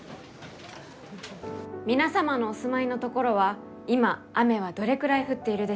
皆様のお住まいの所は今雨はどれくらい降っているでしょうか？